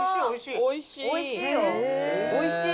おいしい。